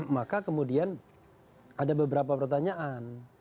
maka kemudian ada beberapa pertanyaan